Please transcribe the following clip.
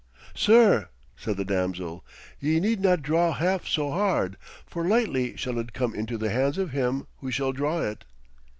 'Sir,' said the damsel, 'ye need not draw half so hard, for lightly shall it come into the hands of him who shall draw it.'